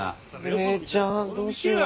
姉ちゃんどうしよう。